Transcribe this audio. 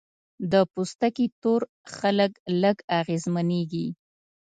د پوستکي تور خلک لږ اغېزمنېږي.